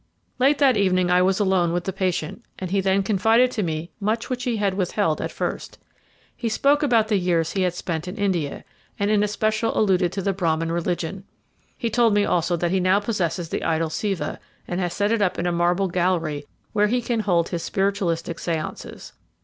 "Late that evening I was alone with the patient, and he then confided to me much which he had withheld at first. He spoke about the years he had spent in India, and in especial alluded to the Brahmin religion. He told me also that he now possesses the idol Siva, and has set it up in a marble gallery where he can hold his spiritualistic séances.